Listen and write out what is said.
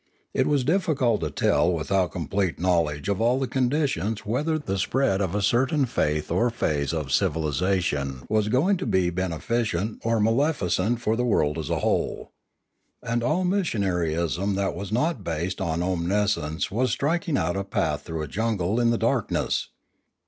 It was difficult to tell without complete knowledge of all the conditions whether the spread of a certain faith or phase of civilisation was going to be beneficent or maleficent for the world as a whole. And all missionaryism that was not based on omniscience was striking out a path through a jungle in the dark ness.